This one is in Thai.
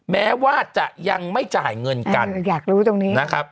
แม้ว่าจะยังไม่จ่ายเงินกัน